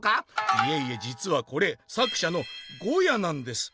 「いえいえじつはこれ作者のゴヤなんです。